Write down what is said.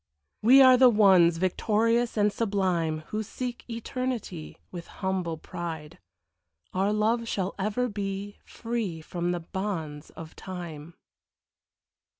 We are the ones, victorious and sublime, Who seek eternity, With humble pride; our love shall ever be Free from the bonds of time.